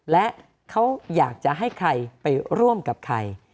และเขาอยากจะให้ใครไปร่วมกับใคร